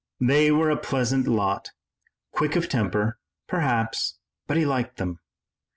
They were a pleasant lot, quick of temper, perhaps, but he liked them.